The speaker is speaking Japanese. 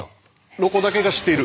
「ロコだけが知っている」。